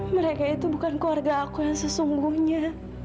mereka itu bukan keluarga aku yang sesungguhnya